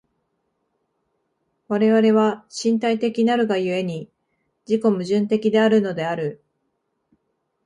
我々は身体的なるが故に、自己矛盾的であるのである。